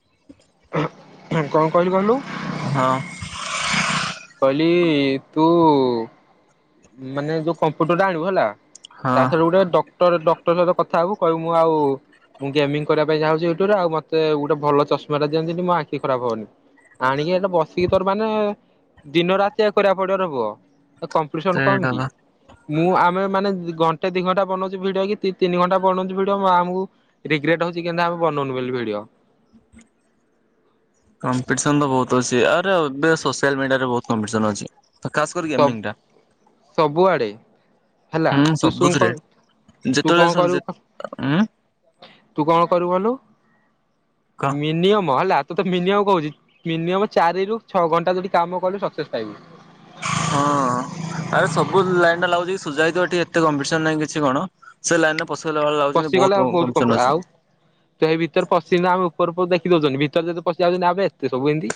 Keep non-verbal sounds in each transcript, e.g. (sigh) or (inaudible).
ଝୁନ୍ ଝୁଁ ଝୁନୁ। ହଁ କ କଣ କହିଲୁ କହିଲୁ। ହଁ। କହିଲି ତୁ ମାନେ ଯୋଉ କମ୍ପ୍ୟୁଟର ଟା ଆଣିବୁ ହେଲା ହଁ ତା ସାଙ୍ଗରେ ଗୋଟେ ଡକ୍ ଟରେ ଡକ୍ଟର ସହିତ କଥା ହବୁ କହିବୁ ମୁୁଁ ଆଉ ମୁଁ ଗେମିଙ୍ଗ କରିବା ପାଇଁ ଚାହୁଛି ୟୁଟ୍ୟୁରୁ ଆଉ ମତେଗୋଟେ ଭଲ ଚଷମା ଟା ଦିଅନ୍ତିନି ମୋ ଆଖି ଖରାପ ହବନି। ଆଣିକି ଏଇଟା ବସିକି ତୋର ମାନେ ଦିନ ରାତି କରିବାକୁ ପଡିବ ରେ ପୁଅ ଏ କମ୍ପ୍ ପୃଷଣ କମ୍ ସେଇଟା କି। ବା ମୁଁ ଆମେ ମାନେ ଇ ଘଣ୍ଟେ ଦି ଘଣ୍ଟା ବନାଉଛି ଭିଡିଓ କି ଦି ତିନି ଘଣ୍ଟା ବନାଉଛି ଭିଡିଓ ମୁ ଆମୁଗ୍ ରିଗ୍ରେଟ୍ ହଉଛି କେନା ଆଉ ବନଉନୁ ବୋଲି ଭିଡିଓ। କମ୍ପିଟିସନ୍ ତ ବହୁତ୍ ଅଛି। ଆରେ ଉଦୟ ସୋସିଆଲ ମିଡିଆରେ ବୋହୁତ୍ କମ୍ପିଟିସନ୍ ଅଛି। ତ ଖାସ୍ କରି ଏମିଙ୍ଗ୍ ଟା। ସବୁଆଡ଼େ। ହେଲା ହୁଁ ତୁ ସୁଶ ସବୁଥିରେ କଣ ତୁ ଯେତେବେଳେ କଣ ଶୁଣୁ କରିଵୁ କର୍ ଉଁ ତୁ କଣ କରିବୁ କହିଲୁ, କହ ମିନିୟମ ହେଲା ତତେ ମିନିୟମ କହୁଛି ମିନିମମ୍ ଚାରି ରୁ ଛଅ ଘଣ୍ଟା ଯଦି କାମ କରିବୁ ସକ୍ସେସ୍ ପାଇବୁ। ହଁ ଆରେ ସବୁ ଲାଇନ୍ ରେ ଲାଗୁଛି ଯାଇ ଥିବ ଟିକେଏତେ କମ୍ପିଟିସନ୍ ନାହିଁ କିଛି କଣ। ସେ ଲାଇନ୍ ରେ ପସିଗଲା ବେଳ ଲୁ ବହୁତ କମ୍ସିଟିସନ ଅଛି। ସେଇ ଭିତରେ ପଶିନି ଆଉ ଉପରକୁ ଦେଖି ଦଉଛନ୍ତିୁ। ଭିତରେ ଯଦି ପଶିଯାଉଛନ୍ତି ଆବେ ଏବେ ସବୁ ଏମିତି।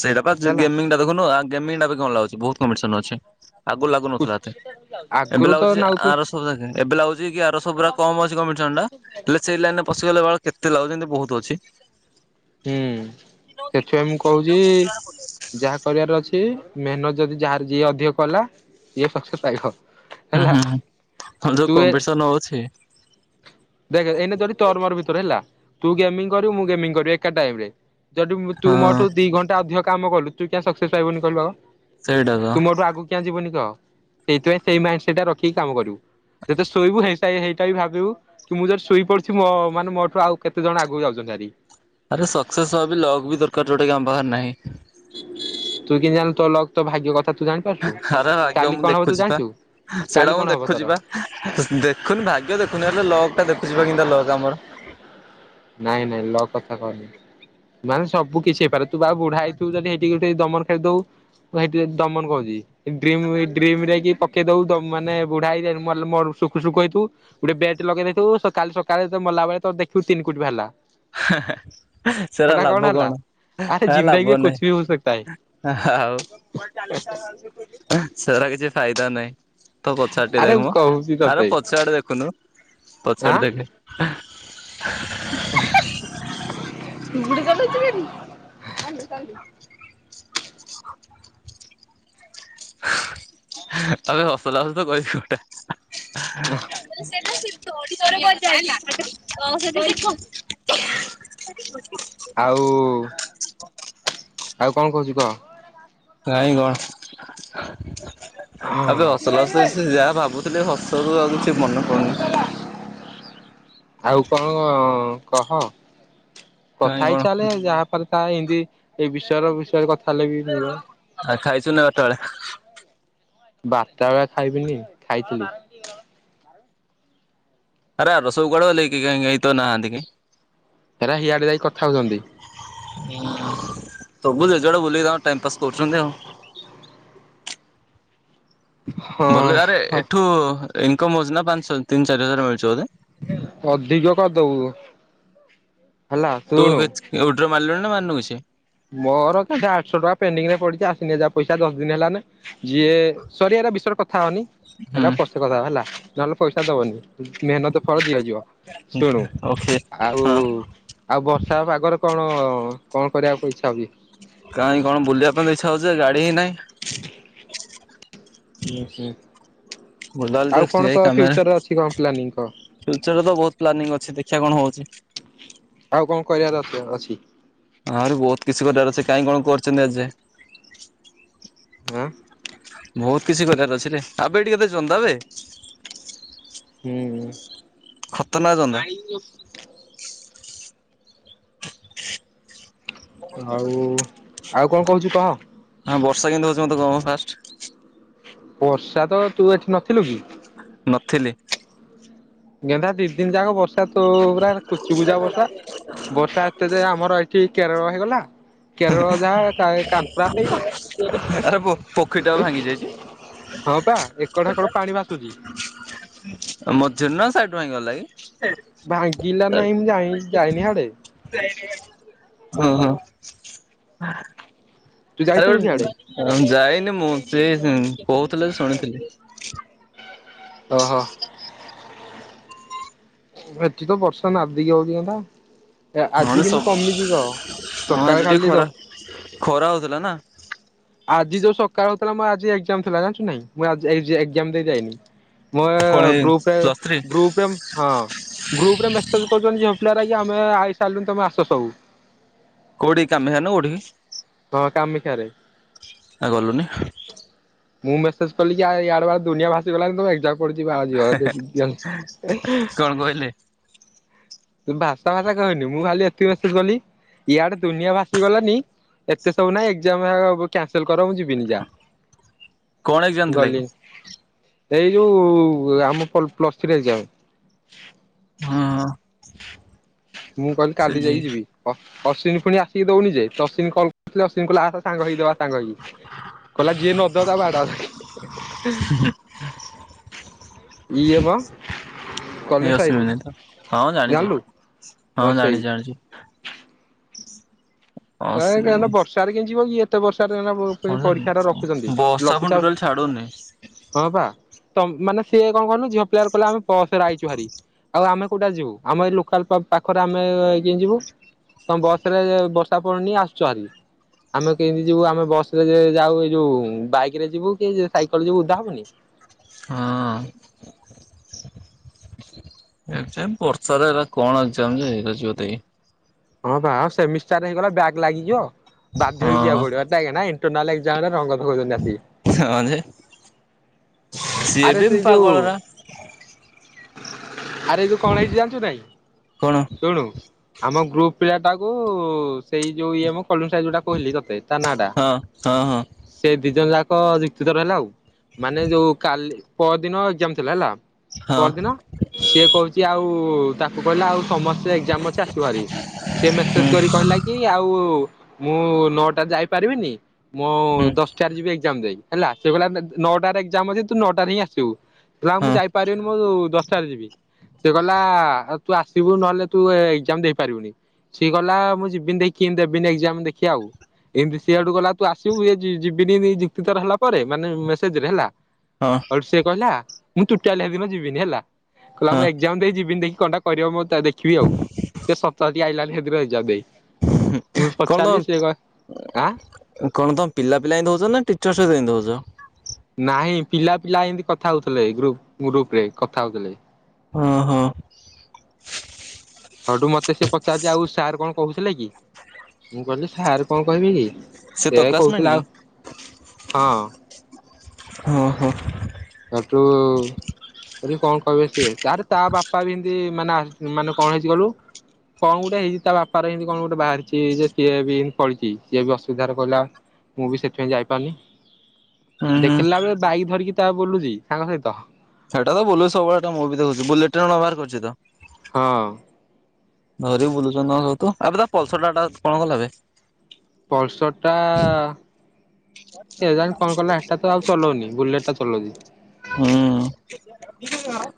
ସେଇଟା ପା ହେଲା ଗାମୀଙ୍ଗ ଦେଖୁନୁ ଆ ଗେମିଙ୍ଗ ଲାଗୁଛି ବହୁତ୍ କମ୍ପିଟିସନ୍ ଅଛି। ଆଗୁରୁ ଲାଗୁନଥିଲା ଏତେ। ଏବେ ଆଗରୁ ତ ଲାଗୁଛି ନାଉଥିଲ ଆରଶହଏବେ ଲାଗୁଛିକି ଆରଶହ ପୁରା କମ୍ ଅଛି କମ୍ପିଟିସନ୍ ଟା। ସେଇ ଲାଇନ୍ ରେ ପଶିଗଲେ ବାଳ କେତେ ଲାଗୁଛି, ଯେମିତି ବହୁତ୍ ଅଛି। ହୁଁ ସେଥିପାଇଁ ମୁଁ କହୁଛି ଯାହା କରିବାର ଅଛି ମେହେନତ ଯଦି ଯାହାର ଯିଏ ଅଧିକ କଲା ସିଏ ପଛେ ପାଇବ। ହୁଁ ହେଲା ହୁଁ, ଯୋଉ ତୁ କମ୍ପିଟିସନ୍ ଓଛି ଦେଖ୍ ଏଇନେ ଯଦି ତୋର ମୋର ଭିତରେ ହେଲା, ତୁ ଗେମିଙ୍ଗ କରିବୁ ମୁଁ ଗେମୀଙ୍ଗ କରିବି ଏକା ଟାଇମ୍ ରେ। ଯଦି ତୁ ହଁ ମୋଠୁ ଦି ଘଣ୍ଟା ଅଧିକ କାମ କଲୁ, ତୁ କାହିଁକି ସକ୍ସେସ୍ ପାଇବୁନି କହିଲୁ ଆଉ ସେଇଟା ତ ତୁ ମୋଠୁ ଆଗକୁ କିଆଁ ଯିବୁନି କହ ସେଇଥିପାଇ ସେଇ ମାଇଣ୍ଡ ସେଟ୍ ରଖିକିରି କାମ କରିବୁ, ଜେତବେଳେ ଶୋଇବୁ ହେଚ୍ ହେ ହେଇଟା ବି ଭାବିବୁ କି ମୁଁ ଯଦି ଶୋଇ ପଡୁଛି ମୋ ମାନେ ମୋଠୁ ଆଉ କେତେ ଜଣ ଆଗକୁ ଯାଉଛନ୍ତି ଭାରି। ଆରେ ସକ୍ସେସ୍ ହବାବି ଲକ ବି ଦରକାର ଯୋଉଟା କି ଆମ ପାଖରେ ନାହିଁ। ତୁ କେମିତି ଜାଣିଲୁ ତୋ ଲଗ୍ ତୋ ଭାଗ୍ୟ କଥା ତୁ ଜାଣି ଆରେ ଭାଗ୍ୟ ମୁଁ ଦେଖୁଚିପା। କାଲି ସେଇଟା କଣ ମୁଁ ହବ ତୋର? ଦେଖୁଚିପା। ଦେଖୁନି ଭାଗ୍ୟ ଦେଖୁନି ହେଲେ ଲଗ୍ ଟା ଦେଖୁଚିପା କେମିତିଆ ଲଗ୍ ଆମର। ନାଇଁ ନାଇଁ ଲଗ୍ କଥା କହନି। ମାନେ ସବୁ କିଛି ହେଇପାରେ ତୁପା ଆଉ ବୁଢା ହେଇ ତୁ ଯଦି ହେଇଠି ଗୋଟେ ଦମନ କେ ଦୋଉ। ମୁଁ ସେଇଠି ଯଦି ଦମନ କଉଚି ଡ୍ରିମବ୍ ଡ୍ରିମ୍ ରେ କି ପକେଇ ଦବୁ ମାନେ ବୁଢା ହେଇ ଯାଇ ମଲେ ମରୁ ସୁକୁ ସୁକୁ ହେଇଥିବୁ। ଗୋଟେ ବେଟ ଲଗେଇ ଦେଇଥିବୁ ତ କାଲି ସକାଳେ ମଲାବେଳେ ତ ଦେଖିବୁ ତିନି କୋଟି ଵାହାରିଲା। ହଁଆ ହଁଆ ସେଟା ଲାଭ କଣ? ଆରେ ହଁ ଆ ଜିନ୍ଦଗି ମେ କୁଛ ଲାଭନାହିଁ ବି ହୋ ସକତା ହେ ଆଉ ସେଟା କିଛି ଫାଇଦା ନାହିଁ ତୋ ପଚାଟ୍ ଆରେ ଦେଖ୍ ମୁଁ ମ କହୁଛି ଆରେ ତତେ ପଛଆଡେ ଦେ ଖୁନୁ ପଛଆଡେ ଦେଖେ। ହ (unintelligible) ଆବେ ହସଲାଗୁଛି ତ କଇବି କୋଉଟା। (unintelligible) (inaudible) ଆଉ ଆଉ କଣ କହୁଚୁ କହ? କାଇଁ କଣ? ଏବେ ଅସଲସ ଯାହା ଭାବୁଥିଲି ହସୁ ଆଉ କିଛି ମନେ ପଡୁନି। ଆଉ କଣ କ କହ କାଇଁ କଥା ହେଇ କଣ ଚାଲେ ଯାହା ରେ ତା ଏମିତି ଏଇ ବିଷୟର ବିଷୟରେ କଥା ହେଲେ ବି ଆଉ ଖାଇଚୁ ନା ବାରଟାବେଳେ? ବାରା ବେଳେ ଖାଇବିନି ଖାଇଥିଲି। ଆରେ ଆରସବୁକୁଆଡେ ଗଲେ କିହେ କାଇଁକାଇଁ କେହିତ ନାହାନ୍ତି କାଇଁ। ହେରା ହିଆଡ଼େ ଯାଇକି କଥା ହଉଚନ୍ତି। ସବୁ ଜଜେଆଡେ ବୁଲିକି ଟାଇମ ପାସ୍ କରୁଚନ୍ତି ଆଉ। ଭଲ ଆରେ ହଁ ଏଠୁ ଇନକମ ହଉଚି ନା ପାଞ୍ଚହ ତିନି ଚାରି ହଜାର ମିଳଚ ବୋଧେ? ଅଧିକ କରିଦବୁ। ହେଲା ଶୁଣୁ ତୁଟର ବ ଉଇଡ୍ର ମାରିଲୁଣି ନା ମାନୁ କିଛି? ମୋର କେତେ ଆଠଶହ ଟଙ୍କା ପେଣ୍ଡିଙ୍ଗରେ ପଡିଚି ଆସିନି ଯାହା ପଇସା ଦଶ ଦିନ ହେଲା ନି। ଯିଏ ସରି ଏରା ବିଷର କଥା ହଅନି ହୁଁ ଏରା ପ୍ରସ୍ନା ସେ କଥା ହେଲା ନହେଲେ ପଇସା ଦବନି ମେହନତ ଫଳ ଦିଆଯିବ। ଶୁଣୁ ଓକେ ଆଉ ହଁ। ଆଉ ବର୍ଷା ପାଗର କଣ କଣ କରିବାକୁ ଇଚ୍ଛା ହୁଏ? କାହିଁ କଣ ବୁଲିବା ପାଇଁ ଇଛା ହଉଚି ଜେ ଗାଡି ହିଁ ନହିଁ। ଉଁ ହୁଁ। ବୁଲାବୁଲି ଆଉ ଟିକେ କଣ ଏଇ ତ କାମରେ ଫ୍ୟୁଚରରେ ଅଛି କଣ ପ୍ଲାନିଂ କହ? ଫ୍ୟୁଚରରେ ତ ବହୁତ ପ୍ଲାନିଂ ଅଛି ଦେଖିବା କଣ ହଉଚି। ଆଉ କଣ କରିବା ର ଅ ଅଛି? ଆଉରି ବହୁତ କିଛି କରିବାର ଅଛି କାଇଁ କଣ କରୁଚନ୍ତି ଆଜିଯାଏଁ। ଆଁ? ବହୁତ କିଛି କରିବାର ଅଛିରେ ଆବେ ଏଠିକ କେତେ ଜନ୍ଦାବେ। ହୁଁ। ଖତରନାକ ଜନ୍ଦା। ଆଉ ଆଉ କଣ କହୁଛୁ କହ? ଆଉ ବର୍ଷା କେମିତି ହଉଛି ମତେ କହମ ଫାଷ୍ଟ? ବର୍ଷା ତ ତୁ ଏଠି ନଥିଲୁ କି? ନଥିଲି। ଗେନ୍ଧା ଦି ଦିନ ଯାକ ବର୍ଷା ତୁ ପୁରା କୁଚୁକୁଚା ବର୍ଷା ବର୍ଷା ଏତେ ଯେ ଆମର କି କେରଳ ହୋଇଗଲା। କେରଳ ଯା କାନପୁରା ସେଇଆ। ଆରେ ପୋଖରୀ ଟା ଭାଙ୍ଗି ଯାଇଛି (inaudible) ହଁ ପା ଏକଠା କଡ ପାଣି ବାସୁଛି। ମଝିରେ ନା ସାଇଡ ଭ ଗଲା କି? ଭାଙ୍ଗିଲା ନାଇଁ ମୁଁ ଯାଇ ଯାଇନି ହିଆଡେ। ଯାଇନି ହିଆଡେ ଓଁ ହଁ। ତୁ ଆରେ ଯାଇଥିଲୁ କି ହାଡେ? ଗୋଟ ଯାଇନି ମୁଁ ସେ କହୁଥିଲି ଶୁଣିଥିଲି। ଓହୋ। ଏଠି ତ ବର୍ଷା ନଧିକି ହଉଚି ଏଣା। ଏ ଆଜି ନହେଲେ କେମିତି ସବୁ କମିଛି କହ ହଁ ଆଜି ସକାଳେ ଟିକେ ଖାଲି ଖରା ଖରା ହଉଥିଲା ନାଁ? ଆଜି ଯୋଉ ସକାଳହଉଥିଲା ମ ଆଜି ଏଜାମ ଥିଲା ଜାଣିଛୁ ନାଇଁ ମୁଁ ଆଜି ଏଜାମ ଦେଇ ଯାଇନି। ମୋ ଏ ପୁଣି ଗ୍ରୁପରେ ପ୍ଲସ୍ ଥ୍ରୀ ଗ୍ରୁପରେ ହଁ ଗ୍ରୁପରେ ମେସେଲ? କହୁଛନ୍ତି ଝିଅ ପିଲା ଆମେ ଆଇସାରିଲୁ ତମେ ଆସ ସବୁ। କୋଉଠି (inaudible) କୋଉଠି। ହଁ କାମାକ୍ଷାରେ। ଆଉ ଗାଲୁନି? ମୁଁ ମେସେଜ କଲି କି ଇଆଡ଼େ ଵା ଦୁନିଆ ଭାସିଗଲାଣି ତମେ ଏକ୍ସଜାମ ପଡିଯିବା ଆଉଜିିବ (inaudible) କଣ (unintelligible) ମୁଁ ଭାଷା ଭାଷା କହିନି ମୁଁ ଖାଲି ଏତିକି ମେସେଜ କଲି ଇଆଡେ ଦୁନିଆ ଭାଷି ଗଲାନି? ଏତେ ସବୁ ନାହିଁ ଏକ୍ଜାମ କ୍ୟାନସଲ କର ମୁଁ ଯିବିନି ଯା। କଣ ଏକ୍ଜାମ ଥିଲା କି? ଗଲି ଏଇ ଯୋଉ ଆମ ପ୍ଲସ୍ ଥ୍ରୀ ଏକ୍ଜାମ। ହଁ। ମୁଁ କହିଲି ସେ କାଲି ଝି ଯାଇକି ଯିବି। ଅଶ୍ୱିନୀ ପୁଣି ଆସି ଦଉନି ଯେ ଅଶ୍ୱଵୀ କଲ୍ କରିଥିଲେ ଅଶ୍ୱିନୀ ଆତ ସାଙ୍ଗ ହେଇକି ଦବା। ସାଙ୍ଗ ହେଇକି କହିଲା ଯିଏ ନ ଦେବ ବାଡା ଧରିକି। କିଏ ମ ଏ କଲୁ ସାହିରୁ ଅସ୍ମିତା ହଁ ଜାଣିଛି ଜାଣିଲୁ? ହଁ ଜାଣି ଜାଣି। ନାଇଁ କା ବର୍ଷାରେ କେ ଯିବ କି ଇଏ। ଏତେ ବର୍ଷା ରେ ପରୀକ୍ଷା ଟା ରଖୁଛନ୍ତି ବର୍ଷା ପୁଣି ଲଘୁଚା ଟୋଟାଲ ଛାଡୁନି ହଁ ବା ତ ମାନେ ସିଏ କଣ କହିଲୁ ଝିଅ ପିଲା କହିଲେ ଆମେ ବସ୍ ରେ ଆଇଛୁ ଭାରି। ଆଉ ଆମେ କୋଉଟା ରେ ଯିବୁ ଆମ ଏଇ ଲୋକାଲ ପାଖରେ ଆମେ କେମିତି ଏ ଯିବୁ। ତମେ ବସ ରେ ବର୍ଷା ପଡୁନି ଆସୁଛ ଭାରି। ଆମେ କେମିତି ଯିବୁ ଆମେ ବସ ରେ ଯାଉ ଏଇ ଯୋଉ ବାଇକ ରେ ଯିବୁ କି ସାଇକେଲରେ ଯିବୁ ଉଧା ହବୁନି। ହଁ। ବର୍ଷାରେ ହେଲା କଣ ଆମ ଯେ (inaudible) (inaudible) ହଁ ବାଁ ସେ ମିଷ୍ଟାରେ ହେଇଗଲା ବ୍ୟାଗ୍ ଲାଗିଯିବ ବାଧ୍ୟ ହେଇକି ହଁ ଯିବାକୁ ପଡିବ। ଇଷ୍ଟା ନାଇଁ ଇଣ୍ଟନାଲ ଏକ୍ସଜାମ ରଙ୍ଗଧୁଛନ୍ତି ଆସିକି। ସାଙ୍ଗ ମାନେ ସିଏ ଆରେ ବି ସେଇ ଯୋଉ ପାଗଳ ଟା। ଆରେ ଏ ତୁ କଣ ହେଇଛିି ଜାଣିଛୁ ନାଇଁ? କଣ ଶୁଣୁ ଆମ ଗ୍ରୁପ ପିଲା ଟାକୁ ସେଇ ଯୋଉ ଇଏ ମୁଁ କଲୁଙ୍ଗ ସା ଯୋଉଟା କହିଲି ତତେ ତା ନା ଟା ହଁ ହଁ ହଁ ସେ ଦି ଜଣ ଯାକ ରିତୁ ରେ ରହିଲା ଆଉ। ମାନେ ଯୋଉ କାଲି ପର ଦିନ ବହଦିନ ଏକଜାମ ଥିଲା ହେଲା ହଁ ପହର ଦିନ। ସିଏ କହୁଛି ଆଉ ତାକୁ କହିଲା ଆଉ? ସମସ୍ତେ ଏକଜାମ ଅଛି ଆସିବାରି ସିଏ ମେସେଜ ହୁଁ କରି କହିଲା କି ଆଉ? ମୁଁ ନଅଟା ଯାଇପାରିବିନି ମୁଁ ହୁଁ ଦଶ କାଲି ଯିବି ଏକଜାମ ଦେଇ ହେଲା ସେ ନଅଟାରେ ଏକଜାମ ଅଛି ତୁ ନଅଟାରେ ହିଁ ଆସିବୁ। କହିଲା ମୁଁ ହଁ ଯାଇପାରିବିନି ମୁଁ ଦଶଟାରେ ଯିବି ସେ କହିଲା ଆଉ ତୁ ଆସ। ଯିବୁ ନହେଲେ ତୁ ଏକଜାମ ଦେଇପାରିବୁନି ସିଏ କଲା ମୁଁ ଯିବିନି ଦେଖି ଦେବିନି ଏକଜାମ ଦେଖି ଆଉ। ଏମିତି ସିଆଡୁ ଗଲା ତୁ ଆସିବୁ ଇ ଯିବିନି ଯୁକ୍ତିତର ହେଲା ପରେ ମାନେ ମେସେଜ ରେ ହେଲା। ହଁ। ସେ କହିଲା ମୁଁ ଟୋଟାଳି ହେ ଦିନ ଯିବିନି ହେଲା କହିଲା ହଁ ମୁଁ ଏକଜାମ ଦେଇ ଯିବିନି ଦେଖି କଣ୍ଟା କରିବ ମୋ? ଦେଖିବି ଆଉ ସେ ସପ୍ତାହ ଟିକି ଆଇଲାନି ସେଥି ଯେ ଦେଇ ମୁଁ କଣ ପଚାରିଲି ସେ କହି ଆଁ କଣ କଣ ତମ ପିଲା ପିଲା ଏ ଦଉଛ ନା ଟିଚର ସହିତ ଦଉଛ। ନାହିଁ ପିଲା ପିଲା ଏମିତି କଥା ହଉଥିଲେ ଗ୍ରୁପ ଗ୍ରୁପରେ କଥା ହଉଥିଲେ। ଅ ହଁ। ହଉଠୁ ମତେ ସିଏ ପଚାରୁଛି ଆଉ ସାର୍ କଣ କହୁଥିଲେ କି ମୁଁ କହିଲି ସାର୍ କଣ କହିବେ କି? ସେ ତୋ ସେଆ କ୍ଲାସମେଟ କହୁଥିଲାଉ ହଁ ହଁ ହଁ। ହେଠୁ। ବ କଣ କହିବେ ସିଏ ଆରେ ତା ବାପା ବି ଏମିତି ମାନେ ମାନେ କଣ ହେଇଛି କଲୁ କଣ ଗୋଟେ ହେଇଛି ତା ବାପାର ଏମିତି କଣ ଗୋଟେ ବାହାରିଛି ଯେ ସିଏ ବିମିତି ପଳେଇଛି ସିଏ ବି ଅସୁବିଧାରେ କହିଲା ମୁଁ ବି ସେଥିପାଇଁ ଯାଇପାରୁନି ହୁଁ ହୁଁ ଦେଖିଲିଲା ବେଳେ ବାଇକ୍ ଧରିକି ତା ବୁଲୁଛି ସାଙ୍ଗ ସହିତ। ସେଇଟା ତ ବୁଲୁଛି ସବୁଳେ ମୁଁ ବି ଦେଖୁଛି ବୁଲେଟ୍ରେ ନୂଆ ବାହାର କରିଛି ତ ହଁ! ଧରି ବୁଲୁଛ ହଉ ତୁ ଏବେ ତା ପଲସର ଟା ଟା କଣ କଲାବେ? ପଲସର ଟା କେଜାଣି କଣ କଲା ଏଟା ତ ଆଉ ଚଲଉନି ବୁଲେଟ ଟା ଚଲଉଛି। ହୁଁ!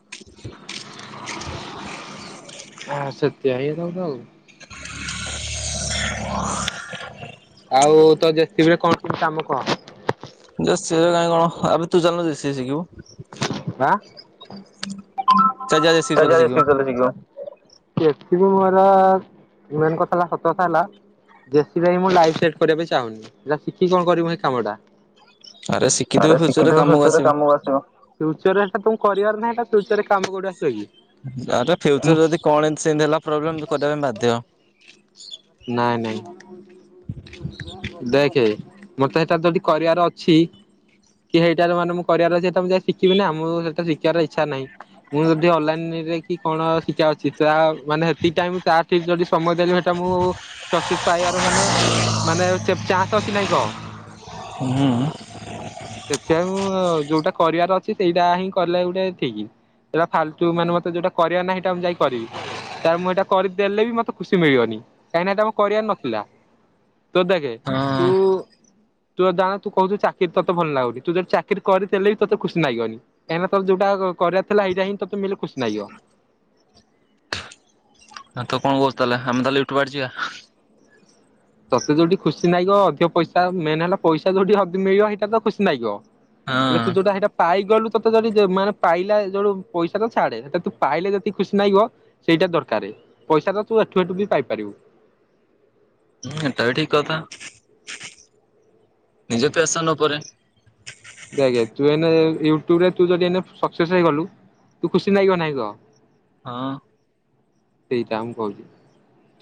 ଆଁ ସେତିଆ ହେଇଥାଉ ତ ଆଉ (inaudible) ଆଉ ତ ଜେ ସି ବି ରେ କଣ କିମ୍ କାମ କଣ? ଜ ସିଏ କାଇହିଁ କଣ ଆବେ ତୁ ଚାଲୁନୁ ଜେ ସି ବି ଶିଖିବୁ? ଆଁ ଚାଲ ଯା ଜେସିବି ଚାଲ ଶିଖିବୁ (unintelligible) (unintelligible) ବି ମୋର ମେନ୍ କଥା ହେଲା ସତ କଥା ହେଲା ଜେ ସି ବି ରେ ମୁଁ ଲାଇଫ ସେଟ୍ କରିବା ପାଇଁ ଚାହୁନି ଶିଖି କଣ କରିବୁ ସେଇ କାମଟା? ଶିଖିଥିବୁ ଆରେ ଫ୍ୟୁଚରରେ ଶିଖିଥଉ କାମକୁ ହଷରେ ଆସିବ। କାମକୁ ଆସିବ। ଫ୍ୟୁଚରରେ ଇଟଟା ତ କରିବାର ନାହିଁ ଫ୍ୟୁଚରରେ କାମ କୋଉଠୁ ଆସିବା କି? ଆରେ ଫ୍ୟୁଚର ମୁଁ ଯଦି କଣ ଏ ସେମତି ହେଲା ପ୍ରୋବ୍ଲେମ କରିବା ପାଇଁ ବାଧ୍ୟ। ନାଇଁ ନାହିଁ। ଦେଖେ ମତେ ସେଇଟା ଯଦି କରିବାର ଅଛି କି ହେଇଟା ମାନେ କରିବାର ଅଛି ତ ମୁଁ ଯାଇ ଶିଖିବି ନା ମୁଁ ସେଟା ର ଶିଖିବାର ଇଚ୍ଛା ନାହିଁ। ମୁଁ ଯଦି ଅଲଲାଇନରେ କି କଣ ଶିକା ଅଛି ତା ମାନେ ହଜତିକି ଟାଇମ୍ ତା ଠିକ୍ ଯଦି ସମୟ ଦେଲି ସେଟା ମୁଁ ସକ୍ସେସ୍ ପାଇଆର ମାନେ ମାନେ ଚା ଚାନ୍ସ ତ ଅଛି କି ନାହିଁ କ? ହୁଁ। ଦେଖିଆକୁ ଯୋଉଟା କରିବାର ଅଛି ସେଇଟା ହିଁ କଲେ ଗୁଟେ ଠିକି। ଏଇରା ଫାଲତୁ ମାନେ ମତେ ଯୋଉଟା କରିବାର ନାହିଁ ହେଟା ମୁଁ ଯାଇକି କରିବି। ତାର ମୁଁ ହେଇଟା କରିଦେଲେ ବି ମତେ ଖୁସି ମିଳିବନି କାହିଁକି ହେଟା ମୋ କରିବାର ନଥିଲା। ତୁ ଦେଖେ ତୁ ତୁ ତ (unintelligible) ତୁ କହୁଚୁ ଚାକିରି ତୋତେ ଭଲ ଲାଗୁ କି ତୁ ଯଦି ଚାକିରି କରିଥେଲେ ବି ତତେ ଖୁସି ନାଗିବନି। କାହିଁକି ନା ତତେ ଯୋଉଟା କ କରିବାର ଥିଲା ହେଇଟା ହିଁ ତତେ ମିଲଲେ ଖୁସି ନାଗିବ। ଆଉ ତୁ କଣ କହୁଚୁ ତାହଲେ ଆମେ ତାହେଲେ ଏଠୁ ବାହାରିଯିବା। ତତେ ଯୋଉଠୀ ଖୁସି ନାଗିବ ଅଧିକ ପଇସା ମେନେ ହେଲା ପଇସା ଯୋଉଠି ହଦି ମିଳିବ ସେଇଟା ତ ଖୁସି ନାଗିବ। ହଁ। ହେଲେ ତୁ ଯୋଉଟା ହେଇଟା ପାଇଗଲୁ ତତେ ଯଦି ଯେ ମାନେ ପାଇଲା ଯୋଉ ପଇସା ତ ଛାଡେ ସେଟା ତୁ ପାଇଲେ ଯେତିକି ଖୁସି ନାଗିବ ସେଇଟା ଦରକାରେ ପଇସା ତ ତୁ ଏଠୁ ହେଠୁ ବି ପାଇପାରିବୁ। ହଁ ହେଟା ବି ଠିକ୍ କଥା ନିଜେ ପ୍ୟାସନ୍ ଉପରେ ଦେଖେ ତୁ ଏଇନେ ୟୁଟୁବରେ ତୁ ଯଦି ଏଇନେ ସକ୍ସେସ୍ ହେଇଗଲୁ ତୁ ଖୁସି ନାଗିବ ନାହିଁ କ? ହଁ। ସେଇଟା ମୁଁ କହୁଚି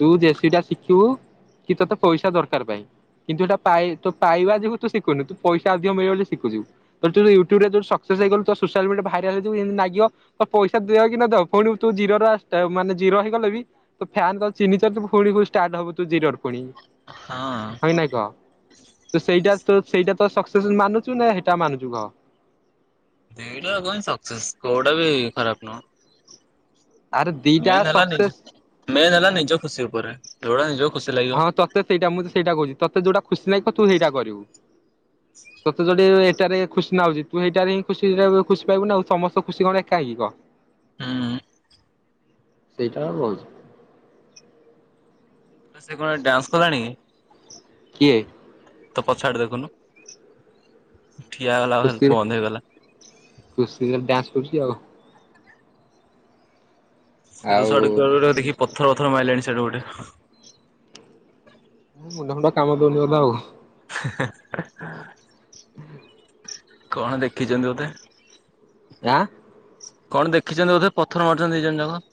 ତୁ ଜେସିବିଟା ଶିଖିବୁ କି ତୋତେ ପଇସା ଦରକାର ପାଇଁ କିନ୍ତୁ ହେଇଟା ପାଇ ତୁ ପାଇବା ଯୋଗୁ ତୁ ଶିଖୁନୁ ତୁ ପଇସା ଅଧିକ ମିଳିବ ବୋଲି ଶିୁଖୁଚୁ ତୋର (unintelligible) ୟୁଟ୍ୟୁବରେ ଆଜି ଗୋଟେ ସକ୍ସେସେ ହେଇଗଲୁ ତ ସୋସିଆଲ୍ ମିଡିଆ ଭାଇରାଲ୍ ହେଇଯିବୁ ହିନ୍ତି ନାଗିବ ତ ପଇସା ଦିଅ କି ନ ଦଉ ଫୁଣି ଉ ତୁ ଜିରୋରୁ ଆ ଷ୍ଟା ମାନେ ଜିରୋ ହେଇଗଲେ ବି ତୋ ଫ୍ୟାନ୍ ତତେ ଚିହ୍ନିଚତି ଫୁଣି କୋଉ ଷ୍ଟାର୍ଟ ହବୁ ତୁ ଜିରୋରୁ ପୁଣି। ହଁ ନାଇଁ କହ ତୁ ସେଇଟାରେ ତୁ ସେଇଟା ତୋ ସକ୍ସେସେ ମାନୁ ଚୁ ନା ହେଟା ମାନୁଚୁ କହ। ଏଇଟାକୁ କୁହନ୍ତି ସକ୍ସେସ୍ କୋଉଟା ବି ଖରାପ ନୁଅଁ। ଆରେ ଦିଟା ମେନେ ହେଲା ନିଜେ ସକ୍ସେସ୍ ମେନ୍ ହେଲା ନିଜ ଖୁସି ଉପରେ ଯୋଉଟା ନିଜକୁ ଖୁସି ଲାଗିବ। ତ ସେଇଟା ମୁଁ ତ ସେଇଟା କହୁଚି ତତେ ଯୋଉଟା ଖୁସି ନାଗିବ ତୁ ହେଇଟା କରିବୁ। ତୋତେ ଯୋଉଠି ଏଟାରେ ଖୁସି ନାଉଚି ତୁ ହେଇଟାରେ ହିଁ ଖୁସିଟାକୁ ଖୁସି ପାଇବୁ ନା ଆଉ ସମସ୍ତ ଖୁସି କଣ ଏକା ହି କ। ହୁଁ ହୁଁ। ସେଇଟା ମୁଁ କହୁଛି। ତ ସେ କଣ ଡ୍ୟାନ୍ସ କଲାଣି କି? କିଏ? ତୋ ପଛ ଆଡେ ଦେଖୁନୁ ଠିଆ ଗଲା ଘରୁ ବନ୍ଦ ହେଇଗଲା। ଖୁସି ହେଇ ଖାଲି ଡ୍ୟାନ୍ସ କରୁଚି ଆଉ। ସେ ଆଉ ଦଶ ଆଡେ କୁଆ (unintelligible) ଦେଖିକି ପଥର ପଥର ମାଇଲଣି ସିଆଡୁକୁ ଗୋଟେ। ମୋ ମୁଣ୍ଡ ଫୁଣ୍ଡ କାମ ଦଉନି ବୋଧେ ଆଉ। ହେଁ ହେଁ ହେଁ। କଣ ଦେଖିଛନ୍ତି ବୋଧେ। ଆଁ କଣ ଦେଖିଛନ୍ତି ବୋଧ ପଥର ମାରୁଛନ୍ତି ଦି ଜଣ ଯାକ।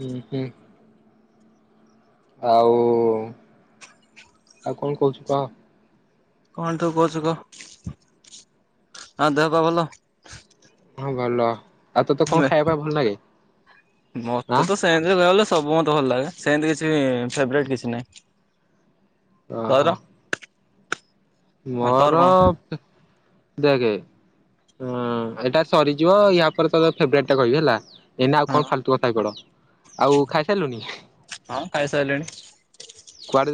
ହୁଁ ହୁଁ। ଆଉ ଆଉ କଣ କହୁଚୁ କହ। କଣ ତୁ କହୁଚୁ କ ଆଉଁ ଦେହ ପା ଭଲ। ହଁ ଭଲ ଆଉ ତୋତେ କଣ ଆମେ ଖାଇବା ପାଇଁ ଭଲ ଲାଗେଁ? ମତେ ହଁ ତ ଏଞ୍ଜୟ୍ କରିବାକୁ ଗଲେ ସବୁ ମତେ ଭଲ ଲାଗେ ସେତି କିଛି ଫ କିଛି ନାହିଁ। ଓ ତୋର ହୋ। ହଁ ତୋର ମୋର କଣ ଦେଖେ ଏଇଟା ସରିଯିବ ୟା ପରେତତେ ଫେବରେଟ ଟା କହିବି ହେଲା। ଏଇନା ଆଉ ହଁ କଣ ଫାଲତୁ କଥା ହେଇପଡ, ଆଉ ଖାଇ ସାରିଲୁନି? ହଁ ଖାଇସାରିଲିଣି କୁଆଡ଼େ?